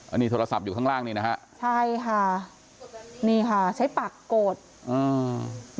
อันนี้โทรศัพท์อยู่ข้างล่างนี่นะฮะใช่ค่ะนี่ค่ะใช้ปากโกรธอ่า